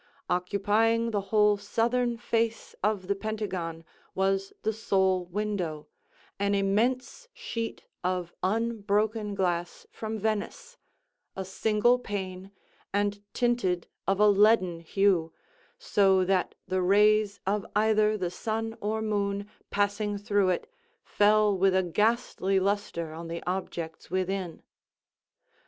Occupying the whole southern face of the pentagon was the sole window—an immense sheet of unbroken glass from Venice—a single pane, and tinted of a leaden hue, so that the rays of either the sun or moon, passing through it, fell with a ghastly lustre on the objects within.